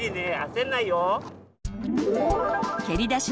焦んないよ。